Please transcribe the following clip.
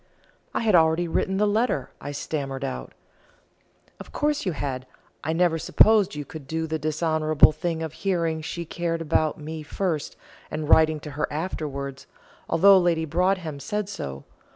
"I had already written the letter," I stammered out. "Of course you had: I never supposed you could do the dishonourable thing of hearing she cared about me first, and writing to her afterwards, although Lady Broadhem said so.